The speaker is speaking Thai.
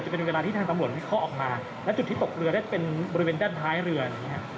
จะเป็นเวลาที่ทางตำรวจไม่ข้อออกมาและจุดที่ตกเรือได้เป็นบริเวณด้านท้ายเรือนะครับ